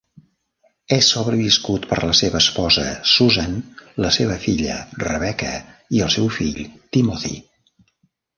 És sobreviscut per la seva esposa Susan, la seva filla Rebecca, i el seu fill Timothy.